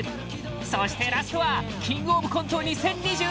ＦＥＳそしてラストはキングオブコント２０２２